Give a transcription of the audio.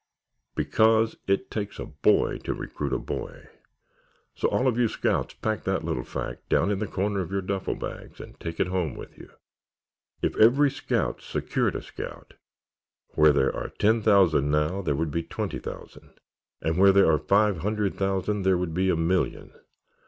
Because it takes a boy to recruit a boy. So all of you scouts pack that little fact down in the corner of your duffel bags and take it home with you. If every scout secured a scout, where there are ten thousand now there would be twenty thousand, and where there are five hundred thousand, there would be a million!